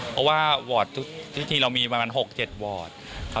เพราะว่าวอร์ดพิธีเรามีประมาณ๖๗วอร์ด